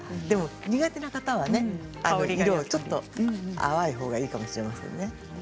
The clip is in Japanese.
でも苦手な方はね色をちょっと淡いほうがいいかもしれませんね。